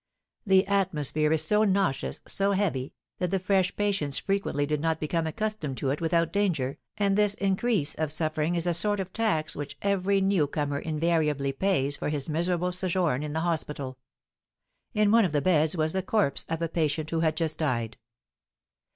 The atmosphere is so nauseous, so heavy, that the fresh patients frequently did not become accustomed to it without danger, and this increase of suffering is a sort of tax which every newcomer invariably pays for his miserable sojourn in the hospital. In one of the beds was the corpse of a patient who had just died.